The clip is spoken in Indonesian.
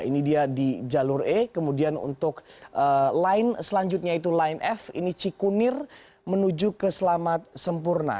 ini dia di jalur e kemudian untuk line selanjutnya itu line f ini cikunir menuju ke selamat sempurna